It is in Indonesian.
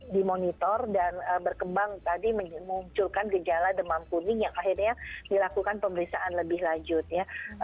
dimonitor dan berkembang tadi memunculkan gejala demam kuning yang akhirnya dilakukan pemeriksaan lebih lanjut ya